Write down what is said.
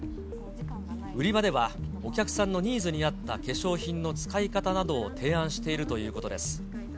売り場ではお客さんのニーズに合った化粧品の使い方などを提案しているということです。